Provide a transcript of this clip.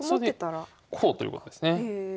それでこうということですね。